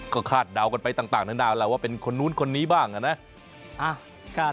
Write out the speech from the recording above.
ก็คาดเดากันไปต่างนานาแล้วว่าเป็นคนนู้นคนนี้บ้างนะ